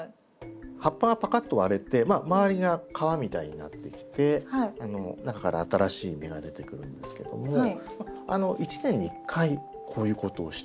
葉っぱがパカッと割れて周りが皮みたいになってきて中から新しい芽が出てくるんですけども１年に１回こういうことをして。